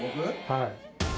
はい。